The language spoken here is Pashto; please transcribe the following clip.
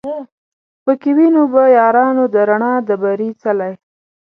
پکښی وینو به یارانو د رڼا د بري څلی